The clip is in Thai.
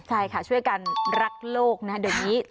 ใช่ค่ะช่วยกันรักโลกนะเดี๋ยวนี้